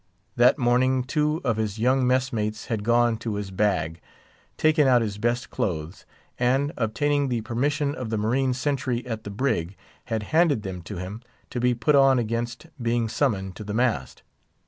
That morning two of his young mess mates had gone to his bag, taken out his best clothes, and, obtaining the permission of the marine sentry at the "brig," had handed them to him, to be put on against being summoned to the mast.